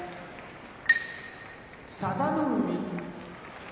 佐田の海